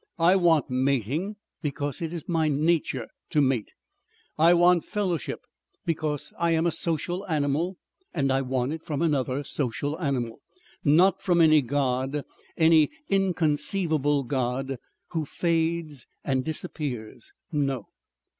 "I want mating because it is my nature to mate. I want fellowship because I am a social animal and I want it from another social animal. Not from any God any inconceivable God. Who fades and disappears. No....